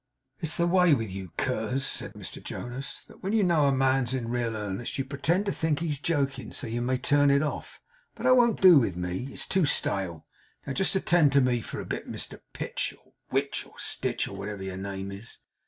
'It's the way with you curs,' said Mr Jonas, 'that when you know a man's in real earnest, you pretend to think he's joking, so that you may turn it off. But that won't do with me. It's too stale. Now just attend to me for a bit, Mr Pitch, or Witch, or Stitch, or whatever your name is.